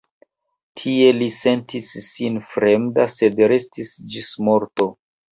Tie li sentis sin fremda, sed restis ĝis morto.